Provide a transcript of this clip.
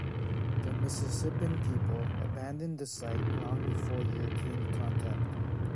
The Mississippian people abandoned the site long before European contact.